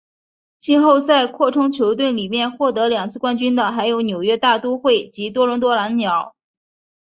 季后赛扩充球队里面获得两次冠军的还有纽约大都会及多伦多蓝鸟。